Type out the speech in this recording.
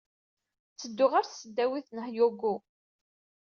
Ttedduɣ ɣer Tesdawit n Hyogo.